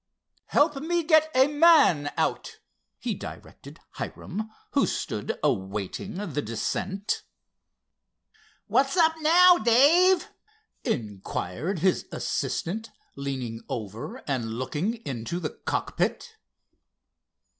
"Help me get a man out," he directed Hiram, who stood awaiting the descent. "What's up now, Dave?" inquired his assistant, leaning over and looking into the cockpit.